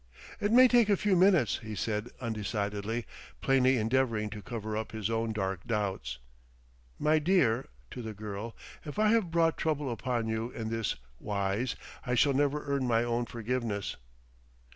"It may take a few minutes," he said undecidedly, plainly endeavoring to cover up his own dark doubts. "My dear," to the girl, "if I have brought trouble upon you in this wise, I shall never earn my own forgiveness."